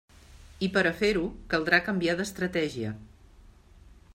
I per a fer-ho caldrà canviar d'estratègia.